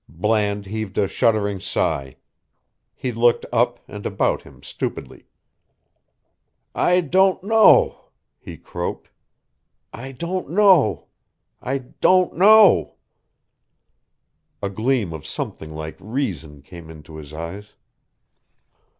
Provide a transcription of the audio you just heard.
Bland heaved a shuddering sigh. He looked up and about him stupidly. "I don't know," he croaked. "I don't know I don't know." A gleam of something like reason came into his eyes.